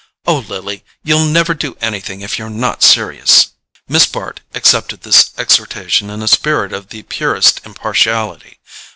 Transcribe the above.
Oh, Lily, you'll never do anything if you're not serious!" Miss Bart accepted this exhortation in a spirit of the purest impartiality.